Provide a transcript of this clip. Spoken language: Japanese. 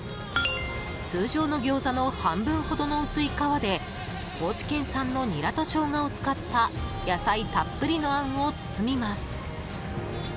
通常の餃子の半分ほどの薄い皮で高知県産のニラとショウガを使った野菜たっぷりのあんを包みます。